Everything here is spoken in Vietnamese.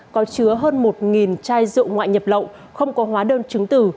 có chứa hơn một chai rượu ngoại nhập lộng không có hóa đơn chứng từ